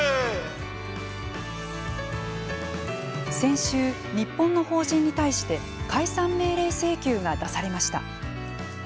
先週、日本の法人に対して解散命令請求が出されました。